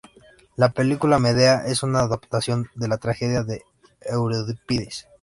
La película "Medea" es una adaptación de la tragedia de Eurípides.